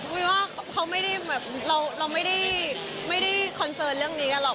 เพราะว่าเราไม่ได้คอนเซิร์นเรื่องนี้กันหรอก